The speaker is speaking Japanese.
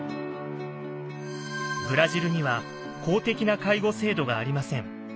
ブラジルには法的な介護制度がありません。